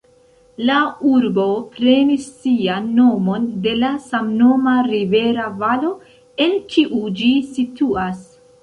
La urbo prenis sian nomon de la samnoma rivera valo, en kiu ĝi situas.